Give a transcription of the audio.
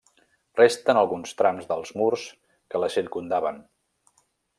Resten alguns trams dels murs que la circumdaven.